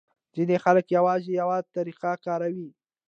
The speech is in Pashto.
ځینې خلک یوازې یوه طریقه کاروي.